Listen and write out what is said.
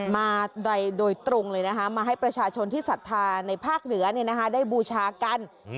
มาโดยตรงเลยนะคะมาให้ประชาชนที่ศรัทธาในภาคเหนือได้บูชากัน